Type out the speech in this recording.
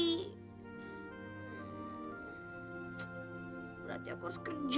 eh lupa aku mau ke rumah